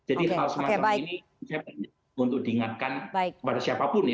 jadi hal semacam ini saya ingin untuk diingatkan kepada siapapun ya